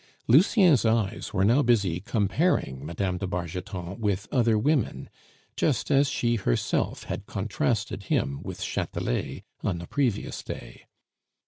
Lucien's eyes were now busy comparing Mme. de Bargeton with other women, just as she herself had contrasted him with Chatelet on the previous day.